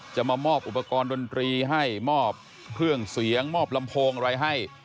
จะมามอบอุปกรณ์ดนตรีให้มอบเครื่องเสียงมอบลำโพงอะไรให้